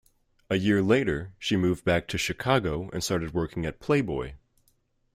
A year later, she moved back to Chicago and started working at "Playboy".